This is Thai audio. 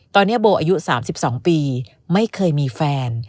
ตอนนี้โบอายุ๓๒ปีไม่เคยมีแฟน